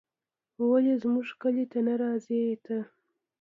ولې زموږ کلي ته نه راځې ته